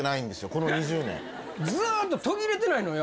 この２０年ずーっと途切れてないのよ